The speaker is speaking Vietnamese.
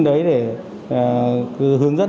để hướng dẫn